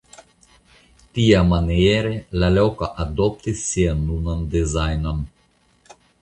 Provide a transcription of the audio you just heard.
Tiamaniere la loko adoptis sian nunan dezajnon.